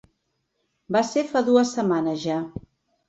Va ser fa dues setmanes ja.